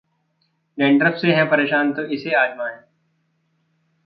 dandruff से हैं परेशान, तो इसे आजमाएं